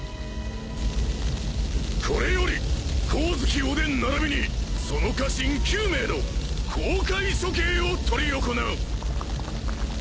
これより光月おでんならびにその家臣９名の公開処刑を執り行う。